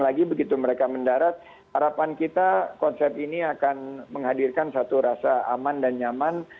lagi begitu mereka mendarat harapan kita konsep ini akan menghadirkan satu rasa aman dan nyaman